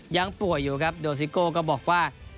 ยังป่วยอยู่ครับโดซิโก้ก็บอกว่า